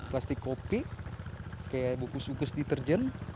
plastik kopi kayak bukus bukus deterjen